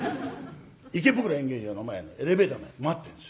池袋演芸場の前のエレベーターの前で待ってんですよ。